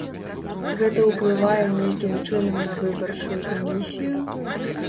Гэта ўплывае нейкім чынам на выбарчую камісію?